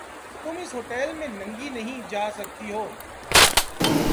تم اِس ہوٹیل میں ننگی نہیں جا سکتی ہو۔